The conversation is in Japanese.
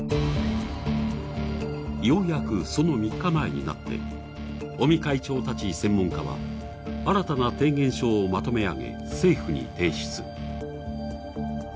ようやく、その３日前になって尾身会長たち専門家は新たな提言書をまとめ上げ、政府に提出。